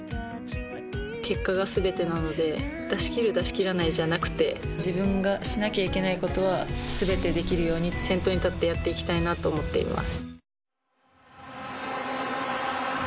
結果が全てなので、出し切る出し切らないじゃなくて自分がしなきゃいけないことは全てできるように先頭に立ってやっていきたいなと思っています。